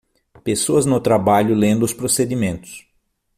Pessoas no trabalho lendo os procedimentos.